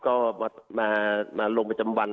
ก็มาโรงพจำวัน